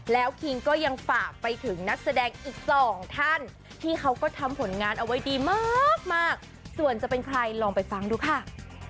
แล้วคิงก็ยังฝากไปถึงนักแสดงอีกสองท่านที่เขาก็ทำผลงานเอาไว้ดีมากส่วนจะเป็นใครลองไปฟังดูค่ะ